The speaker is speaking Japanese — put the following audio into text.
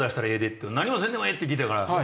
って何もせんでもええって聞いたから。